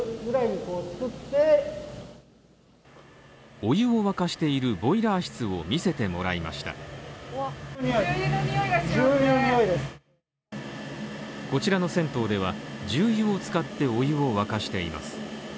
お湯を沸かしているボイラー室を見せてもらいましたこちらの銭湯では重油を使ってお湯を沸かしています。